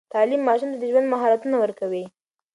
تعليم ماشوم ته د ژوند مهارتونه ورکوي.